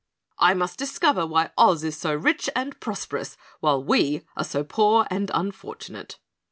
"I must discover why Oz is so rich and prosperous while we are so poor and unfortunate."